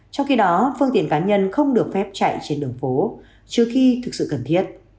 trong khi đó phương tiện cá nhân không được phép chạy trên đường phố trừ khi thực sự cần thiết